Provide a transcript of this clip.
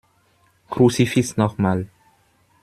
Kruzifix noch mal!